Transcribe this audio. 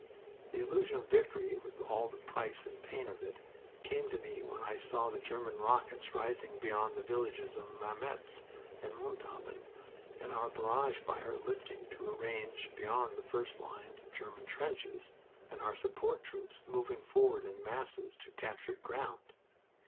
The illusion of victory, with all the price and pain of it, came to me when I saw the German rockets rising beyond the villages of Mametz and Montauban and our barrage fire lifting to a range beyond the first lines of German trenches, and our support troops moving forward in masses to captured ground.